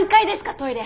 トイレ。